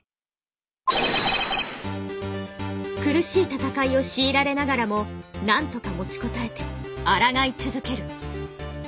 苦しいたたかいを強いられながらも何とか持ちこたえてあらがい続ける。